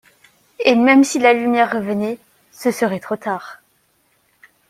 Et même si la lumière revenait, ce serait trop tard.